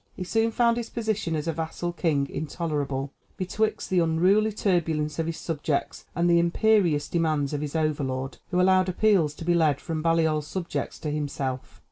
He soon found his position as a vassal king intolerable, betwixt the unruly turbulence of his subjects and the imperious demands of his overlord, who allowed appeals to be led from Baliol's subjects to himself.